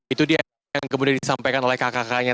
itu dia yang kemudian disampaikan oleh kakak kakaknya